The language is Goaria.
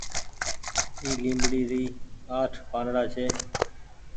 اي ليبڙي ري آٺ پآنڙآ ڇي۔